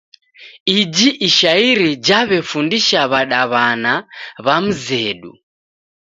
Iji ishairi jaw'efundisha w'adaw'ana w'a mzedu.